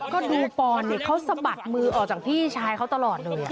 ก็ดูปอนดิเขาสะบัดมือออกจากพี่ชายเขาตลอดเลย